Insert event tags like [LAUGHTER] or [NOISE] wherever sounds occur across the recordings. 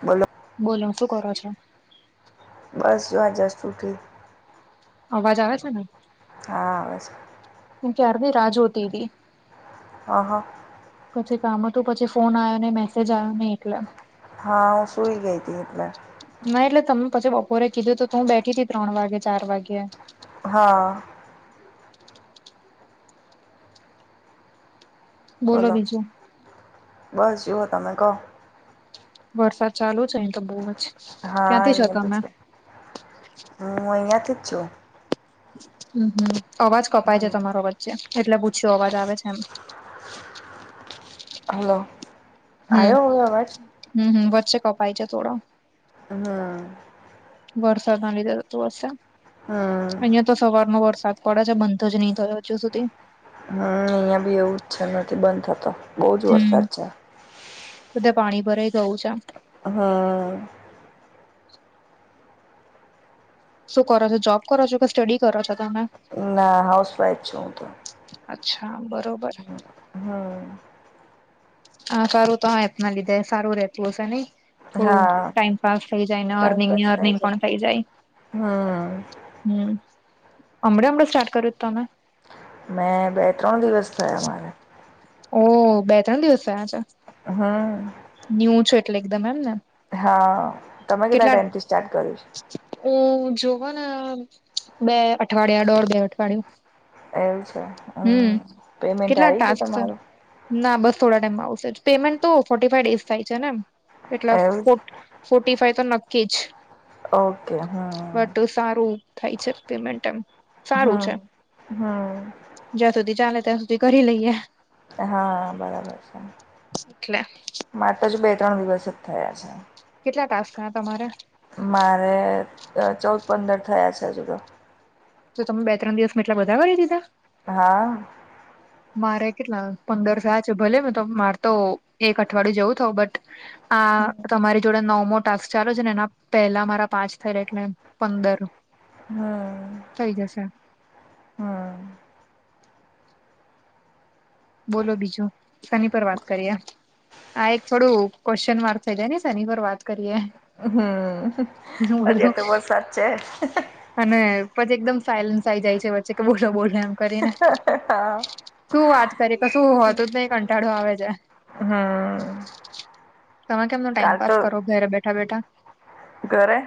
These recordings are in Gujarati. બોલો બોલો શું કરો છો? બસ જો આ જસ્ટ ઉઠી અવાજ આવે છે ને? હા આવે છે. હુ ક્યારની રાહ જોતી તી. હા હા પછી કામ હતું પછી ફોન આવ્યો નઈ મેસેજ આવ્યો નઈ એટલે હા હું સુઈ ગઈ હતી એટલે ના એટલે તમે પછી બપોરે કીધું તો હું બેઠી હતી ત્રણ વાગે ચાર વાગે હા બોલો બસ જુઓ તમે કહો વરસાદ ચાલુ છે અહીં તો બહુ જ હા ક્યાંથી છો અહીંયા તો તમે છે હું અહીંયાથી જ છું. હમ હમ અવાજ કપાય છે હમ તમારો વચ્ચે એટલે પૂછ્યું અવાજ આવે છે એમ હલો હમ આવ્યો હવે અવાજ હમ હ વચ્ચે કપાય છે થોડો હા વરસાદ ના લીધે થતું હશે. હમ અહિયાં તો સવારનો વરસાદ પડે છે બંધ જ નહી થયો હજુ સુધી હમ અહિયાં બી એવું જ છે નથી બંધ થતો બહુ જ હમ વરસાદ છે. બધે પાણી ભરાઈ ગયું છે. હ શું કરો છો જોબ કરો છો કે સ્ટડી કરો છો તમે? ના હાઉસ વાાઈફ છું હું તો અચ્છા બરોબર હા. હા, સારું તો હા એપ ના લીધે સારું રેતું હશે. નઈ! થોડું હા ટાઈમ પાસ થઈ જાય અને ટાઈમ પાસ અર્નિંગની થાય અર્નિંગ છે પણ થઈ જાય. હમ હમ હમણાં-હમણાં સ્ટાર્ટ કર્યું છે? તમે. મેં બે -ત્રણ દિવસ થયા મારે. ઓહ! બે ત્રણ દિવસ થયા છે. હાઅ. ન્યુ છું એટલે એકદમ એમ ને. હા તમે કેટલા ટાઈમથી સ્ટાર્ટ કર્યું છે. હું જોવને બે અઠવાડિયા દોઢ બે અઠવાડિયા. એવું છે હમ્મ પેમેન્ટ કેટલા આવી ગયું ટાસ્ક છે તમારું. ના બસ થોડા ટાઈમમાં આવશે જ પેમેન્ટ તો ફોર્ટી ફાઈવ ડેઝ થાય છે નેમ એટલા એવું ફો છે. ફોર્ટી ફાઈ તો નક્કી જ. Okay hmm. બટ સારું થાય છે પેમેન્ટ એમ. સારું હા છે હા. જ્યાં સુધી ચાલે ત્યાં સુધી કરી લઈએ. હા બરાબર છે. એટલે. મારે તો હજુ બે ત્રણ દિવસ જ થયા છે. કેટલા ટાસ્ક થયા તમાર. મારે અત્યારે ચૌદ પંદર થયા છે હજુ તો. તો તમે બે ત્રણ દિવસમાં એટલા બધા કરી દીધા. હા. મારે કેટલા પંદર થયા છે ભલે મે તો માર તો એક અઠવાડયું જવું થયું બટ આ હમ તમારી જોડે નવમો ટાસ્ક ચાલે છે ને એના પહેલા મારા પાંચ થયેલા એટલે પંદર. હમ્મ. થઈ જશે. બોલો બીજું સેની પર વાત કરીએ. આ એક થોડું ક્યુએશન માર્ક થઇ જાય ને શેની પર વાત કરીએે. હમ હમ્મ અત્યારે તો વરસાદ છે. અને પછી એકદમ સાયલન્સ આઈ જાય છે વચ્ચે કે બોલો બોલો એમ. કરીને [UNINTELLIGIBLE] હા. શું વાત કરી કશું હો તુ જ નહી કંટાળો આવે છે. હા. તમે કેમનો ટાઈમ પાસ કરો ઘરે બેઠા બેઠા. ઘરે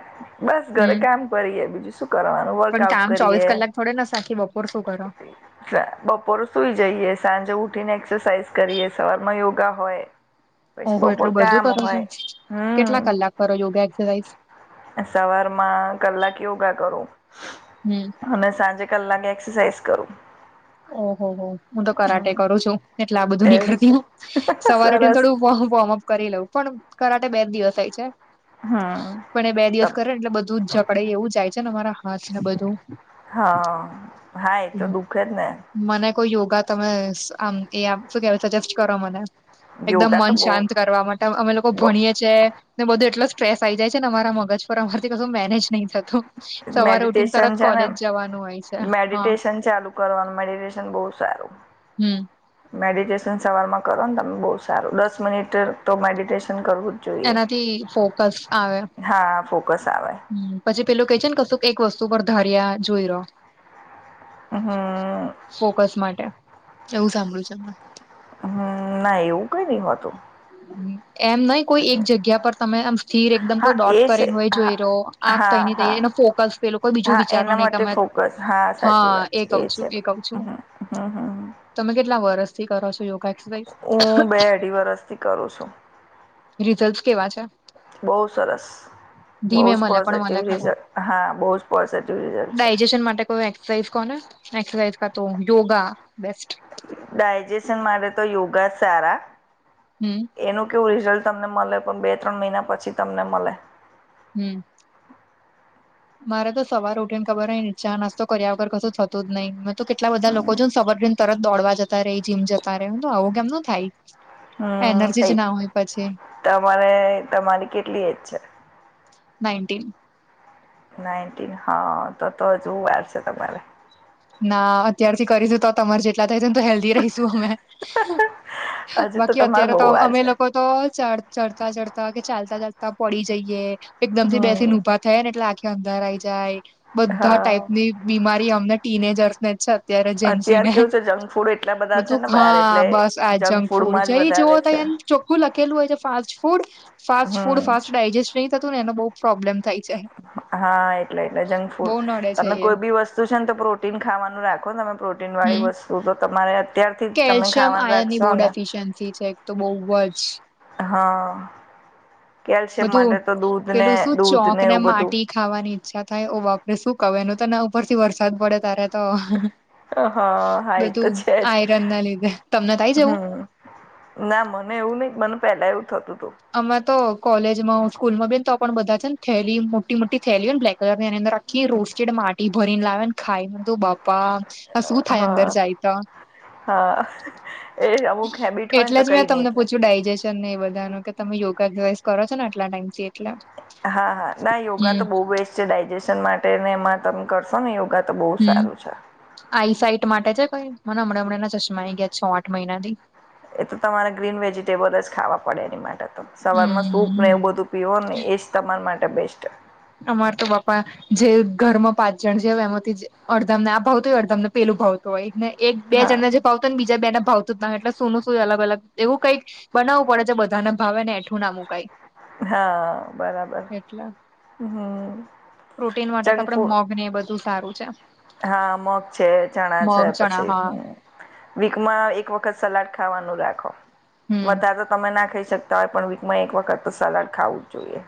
બસ ઘરે હમ કામ કરીએ બીજું શું કરવાનું પણ વર્કઆઉટ કામ કરીએ. [UNINTELLIGIBLE] ના આખી બપોર શું કરો. એટલે બપોરે સુઈ જઈએ સાંજે ઉઠી ને એક્સરસાાઈઝ કરીએ સવાર માં યોગા હોય. પછી ઓહો બપોર એટલું બધું કામ કરો છો હોય કેટલા કલાક કરો યોગા એક્સરસાઇઝ. સવાર માં કલાક યોગા કરું. હમ્મ. અને સાંજે કલાકે એક્સરસાઇઝ કરું. ઓહો હો હું તો કરાટે હમ કરું છું. એટલે આ બધું નઈ એવું કરતી છે હું સવાર ઉઠી સરસ થોડું વોર્મઅપ કરી લઉં. પણ કરાટે બે દિવસ હોય છે. હા. પણ એ બે દિવસ કરે ને એટલે બધું જકડાઈ એવું જાય છે ને મારા હાથ ને બધું. હા હા એ તો દુઃખે જ ને. મને કોઈ યોગા તમે એ આમ શું કેવાય કે સજેસ્ટ કરો મને. એકદમ યોગા તો મન બહુ શાંત કરવા માટે અમે લોકો બહુ- ભણીએ છે ને બધું એટલો સ્ટ્રેસ આ આવી જાય છે ને અરા મગજ પર અમારથી કું મેનેજ નહી થત તો સવારે ઉઠીને તરત મેડિટેશન છે ને કોલેજ જવાનું હોય છે હા. મેડિટેશન ચાલુ કરવાનું મેડિટેશન બહું સારું. હમ્મ. મેડિટેશન સવારમાં કરો ને તમે બહુ સારું દસ મિનિટ તો મેડિટેશન કરવું જ જોઈએ. એનાથી ફોકસ આવે હા ફોકસ આવે પછી પેલું કે છે ને કશું એક વસ્તુ પર ધાર્યા જોઈ રહો હમ ફોકસ માટે એવું સાંભળું છે હમ ના એવું કઈ નઈ હોતું એમ નઈ કોઈ એક જગ્યા પર તમે સ્થિર એકદમ હા કોઈ એ ડોટ છે કરીને હોય હા જોઈ રહો આંખ હા થઈને ત હા એનો ફોકસ પેલુ હા એના માટે ફોકસ હા સાચી વાત કઉ છે એ છું છે કઉ છું હ તમે કેટલા વર્ષથી કરો છો યોગ હું બે અઢી વરષથી કરું છું રિઝલ્ટ કેવા છે બહુ સરસ બહુ ધીમે જ મળે પણ મળે પોઝિટિવ ખરા રિઝલ્ટ હા બહુ જ પોઝિટિવ રિઝલ્ટ છે [UNINTELLIGIBLE] માટે કોઈ સાઇઝ કોને એક્સરસાાઈઝ ક તો યોગા બેસ્ટ ડાયજેશન માટે તો યોગા સારા હમ એનું કેવું રિઝલ્ટ તમને મલે પણ બે ત્રણ મહિના પછી તમને મલે હમ મારે તો સવાર ઉઠી ને ખબર નઈ ચા નાસ્તો કર્યા વગર કશું થતું જ નહી મેં તો કેટલા બધા લોકો સરને તરત દોડવા જતા રે જીમ જતા રે તો આવું કેમ નું થાય હમ એનર્જી સઈ જ ના હોય પછી તમારે તમારી કેટલી એજ છે નાઇન્ટીન નાઇનટીન હા તો તો હજુ વાર છે તમારે ના અત્યારથી કરીશું તો તમાર જેટલા થાયશું ને તો હેલ્ધી રહીશું અમે હજુ તો બાકી તમારે અત્યારે તો બહુ વાર અમે છે લોકો તો ચ ચડતા ચઢતા કે ચાલતા ચાલતા પડી જઈએ એકદમ થી બેસી ને હમ ઊભા થઈ ને એટલે આખે અંધારા આઈ જાય બધા હા ટાઈપ ની બીમારી અમને ટીનેજર્સ મે છે અત્યારે જેન્સી અત્યાર ને કેવું છે જંક ફૂડ એટલા બધા છે બધું ને બહાર ખા એટલે બસ આ જ જંક ફૂડ ફૂડમાં જ જઈ જોઓ વધારે તો છે એમ ચોખ્ખું લખેલું હોય છે ફાસ્ટ ફૂડ ફાસ્ટ ફૂડ હમ ફાસ્ટ ડાયજેસ્ટ નહી થતું ને એનો બહુ પ્રોબ્લેમ થાય છે હા એટલે એટલે બહુ જંકફૂડ નડે છે તમે એ કોઈ બી વસ્તુ વું છે તો પ્રોટીન ખાવાનું રાખોને તમે પ્રોટીનવાળી હમ વસ્તુ તો તમારે અત્યારથી જ તમે કેલ્શિયમ ખાવાનું આયર્ન ની બહુ રાખશો ડ ને એફિશયન્સી છે એક તો બહુ જ હ કેલ્શિયમ બધું માટે તો દૂધ ને પેલું શું દૂધ ને ચોક એવું બધું માટી ખાવાની ઈચ્છા થાય ઓબાપરે શું કવ એ તોના ઉપરથી વરસાદ પડે તારે તો હા હા એ તો બધું છે જ આયરન ના લીધે તમને થાય જવું હમ ના મને એવું નય મને પેલા એવું થતું હતું અમે તો કોલેજ માં હું સ્કૂલમાં ગઈ તો પણ બધા છે ને થેલી મોટી મોટી થયેલી હો ને બ્લેક કલર ની અંદર આખી રોસ્ટેડ માટી ભરીને લાવે ને ખાયને તો બાપા શું થાય અંદર હા જાયતા હા એ અમુક હેબિટ હોય ને એટલે તો જ મેં કઈ નઈ તમને થાય પૂછ્યું ડાયજેશન ને એ બધા ન કે તમે યોગા એક્સ કરો ને આટલા ટાઈમથી એટલે હા હા ના યોગા હમ તો બહુ બેસ્ટ ડાયજેશન માટે ને એમાં તમે કરશો ને યોગા તો બહુ સારું છે આઈ સાઇટ માટે છે કઈ મને હમણાં હમણાં ના ચશ્મા ગયા છ આઠ મહિના થી એ તો તમારે ગ્રીન વેજીિટેબલ જ ખાવા પડે એની માટે તો સવારમાં સૂપ ને હમ એવું બધું પીવો ને એ જ તમારા માટે બેસ્ટ અમાર તો બાપા જે ઘરમાં પાંચ જણ જે એમથી અડધામ ને આ ભાવ તોય અડધામ ને પેલું ભાવતું હોયને એક બે હા જણને જે ભાવ પણ બીજા બે ના ભાવતું જ ના એટલે સોનું શું અલગલગ એવું કંઈક બનાવ પડે છે, બધાને ભાવેને એઠું ના મુૂકાય. હા બરાબર હમ. પ્રોટીન માટે તો જંક આપડે ફૂડ મગને એ બધું સારું છે. હા મગ છે, ચણા છે, મગ ચણા પછી હા હ. વીકમાં એક વખત સલાડ ખાવાનું રાખો હમ વધારે. તમે ના ખાઈ શકતા હોય પણ વીકમાં એક વખત તો સલાડ ખાવું જ જોઈએ.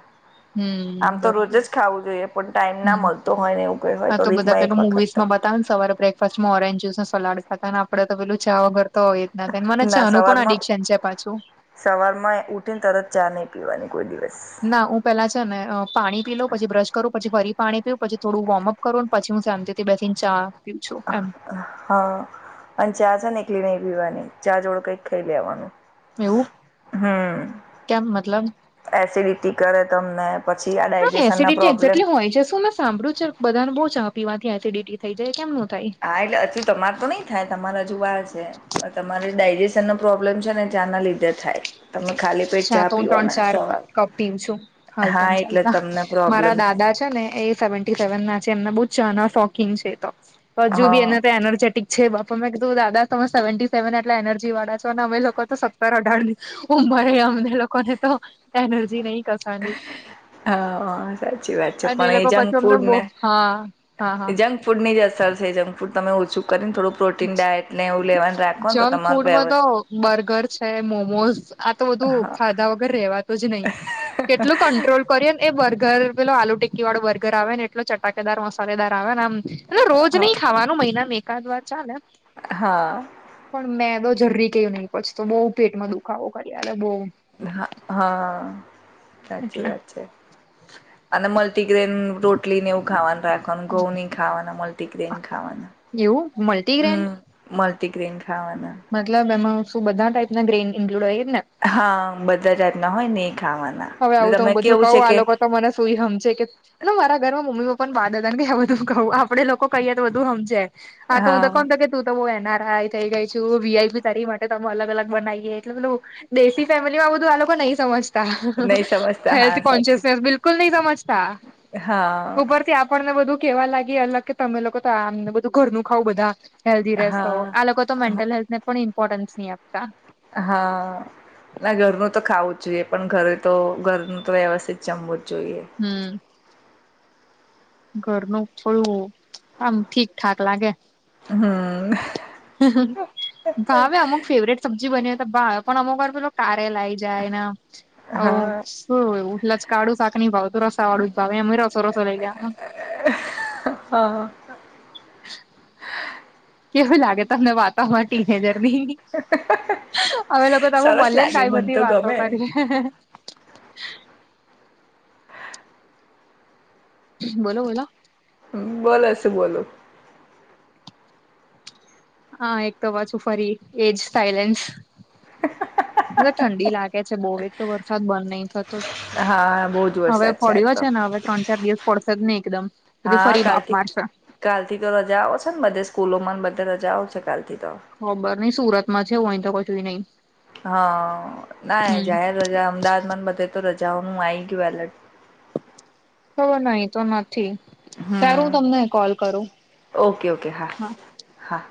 આમ હમ તો રોજ બરોબર જ ખાવું જોઈએ પણ ટાઈમ ના હમ મળતો હોય ને એવું કઇ હોય તો વીકમાં એક વખત તો [UNINTELLIGIBLE] બતાવ ને સવારે બ્રેકફાસ્ટમાં ઓરેન્જ જુસને, સલાડ થતા ને આપડે પેલું ચા વગર તો હોઈએ. ના મને છેનું પણ અડિક્શન છે, પાછું. સવારમાં ઉઠીને તરત ચા નહી પીવાની કોઈ દિવસ. ના હું પેલા છે, ને પાણી પી લો, પછી બ્રશ કરું, પછી ફરી પાણી પી પછી, થોડું વોર્મઅપ. કરું, પછી શાંતીથી બેસીને ચા પીઉ છું, એમ. હા અને ચા છે, એકલી ન પીવાની ચા જોડું કઈક ખાઈ લેવાનું, એવું હમ્મ કેમ મતલબ એસિડિટી કરે તમને. પછી આ હા ડાયજેશનના એસિડિટી પ્રોબ્લેમ એક્ઝેક્ટલી હોય છે, શું ને. સાંભળું છે, બધાને બહુ ચ પીવાથી એસિડિટી થઈ જાય કેમ ન થાય. હા એટલે હજુ તમાર તો નહીં થાય તમારે હજુ [UNINTELLIGIBLE] છે. તમારે ડાયજેશન નો પ્રોબ્લેમ છે, ને ચા ના લીધે. થાય તમે ખાલી પેટ અચ્છા ચા તો હું ત્રણ પીવોને ચાર સવા કપ પીવું છું હાલતા હા ને એટલે ચાલતા તમને. મારા પ્રોબ્લેમ થાય. દાદા ને એ સેવન્ટિ સેવન ના છે, એમને ચા શોકિંગ છે, એ તો હજુ થાય બી એને હા એનર્જેટિક. છે, બાપા મેં કીધું દાદા તમે સેવન્ટી સેવન એટલા એનર્જી વાળા છો અને અમે [UNINTELLIGIBLE] તો. [UNINTELLIGIBLE] અઢાર ઉંમરે અમને લોકોને તો એનર્જી નહી કસાડલી. હા સાચી વાત છે, પણ એ લોકો પછી અમને બો જંકફૂડને હા હા હા જંક -ફૂડની જ અસર છે, જંક ફૂડ તમે ઓછું કરીને થોડું. પ્રોટીન ડાયટ ને એવું લેવાનું રાખો ને તો જંક તમારું વ ફૂડમાં [UNINTELLIGIBLE] તો બર્ગર છે, મોમોઝ બધું ખાધા વગર રેવાતુ જ નહી કેટલું કંટ્રોલ. [UNINTELLIGIBLE] એ બર્ગર, પેલો આલુ ટીકી વાળો બર્ગર આવે ને એટલો ચટાકેદાર મસાલેદાર આવે ને આમ. એ રોજ નહી ખાવાનું મહિનામાં એકાદ વાર ચાલે. હા. પણ મેદો જરૂરી કયું નહીં પછી તો બહુ પેટમાં દુખાવો કરી બહુ. હા હા સાચી એટલે વાત છે. અને મલ્ટીગ્રેન રોટલીને એવું ખાવાનું રાખવાનું, ઘઉ ની ખાવાના, મલ્ટીગ્રેન ખાવાના, એવ મલ્ટીગ્રે્રેન. હમ મલ્ટીગ્રેન ખાવાના. મતલબ એમાં શું બધા ટાઈપ ના ગ્રેન ઇન્ક્લુડ હોય ને. હા બધા જાતના હોય નહીં ખાવાના, હવે આવું તો હું તમે બધું કેવું કહું છે આ કે લોકો તો મને શું હમજે કે ના મારા ઘરમાં મમ્મી પપ્પા ને બાદ હતા કે બધું કવું આપડે લોકો કહીએ તો બધું [UNINTELLIGIBLE] [INAUDIBLE] હા તું તો હું એનઆર આઈ થઈ ગઈ છું, વીઆઈ બી તારી માટે તમે અલગ અલગ બનાવીએ એટલે [UNINTELLIGIBLE] દેશી ફેમિલીમાં બધું આ લોકો નહી સમજતા. નહી સમજતા હા હેલ્થ સાચું કોન્શસનેસ બિલકુલ નહી સમજતા હા ઉપરથી આપ. આપણને બધું કેવા લાગી અલગ કે તમે લોકો તો આમને બધું ઘરનું ખાવ બધા. હેલ્ધી રહેશો હા આ લોકો તો મેન્ટલ હેલ્થને પણ ઇમ્પોર્ટન્સ નહી આપતા. [UNINTELLIGIBLE] ના ઘરનું તો ખાવું જ જોઈએ. પણ ઘરે તો, ઘરનું તો વ્યવસ્થિત જમવું જ જોઈએ. હમ. ઘરનું થોડું, આમ ઠીકઠાક લાગે. હમ. ભાવે અમુક ફેવરેટ સબ્જી બન્યો હોય તો ભાવે. પણ અમુક વાર પેલો કારેલ આઈ. જાય ના આવું હા શું એવું લચકાળું શાક ની ભાવતુ. રસા વાળુ ભાવે. એમેય રસો રસો લઈ લેવાનો. હ [INAUDIBLE] કેવું લાગે તમને વાતોમાં ટીનેજર ની? અમે લોકો તો આવું સરસ મલીએ. ને લાગે ત્યારે આવી મને બધી તો વાતો ગમે કરીયે. બોલો બોલો. બોલો. શું બોલો? હા, એક તો પાછુ ફરી એજ સાયલેન્સ. ને ઠંડી લાગે છે બો. એક તો વરસાદ બંધ નહી થતો. હા બહુ જ હવે વરસાદ આજ પડ્યો તો છે ને, હવે ત્રણ-ચાર દિવસ પડશે જ નહી એકદમ. પછી હા ફરી બાફ કાલથી મારશે. કાલથી તો રજાઓ છે ને બધે સ્કૂલોમાંને, બધે રજાઓ છે કાલથી તો. ખબર નઈ સુરત માં છે. હું અય તો કશુએ નહી. હા. ના હમ જાહેર રજા અમદાવાદમાં ને, બધે તો રજાઓનું આઈ ગયું એલર્ટ. ખબર નહી, અહીતો નથી. હમ સારું તમને કોલ કરું. ઓકે ઓકે હા. હા.